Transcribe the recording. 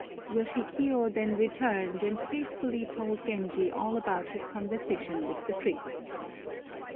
Yoshikiyo then returned and faithfully told Genji all about his conversation with the priest.